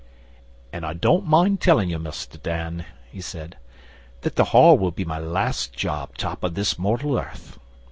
'An' I don't mind tellin' you, Mus' Dan,' he said, 'that the Hall will be my last job top of this mortal earth.